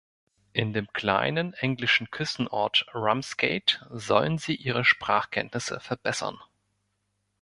In dem kleinen englischen Küstenort Ramsgate sollen sie ihre Sprachkenntnisse verbessern.